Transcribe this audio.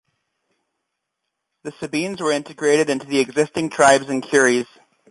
The Sabines were integrated into the existing tribes and curies.